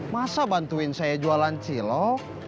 masa bantuin saya jualan cilok